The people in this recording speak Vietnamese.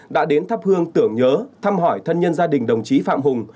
đã đến thắp hương tưởng nhớ thăm hỏi thân nhân gia đình đồng chí phạm hùng